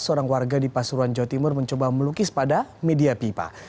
seorang warga di pasuruan jawa timur mencoba melukis pada media pipa